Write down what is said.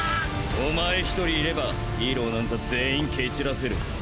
おまえ１人いればヒーローなんざ全員蹴散らせる。